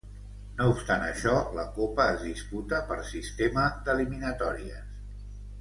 No obstant això, la Copa es disputa per sistema d'eliminatòries.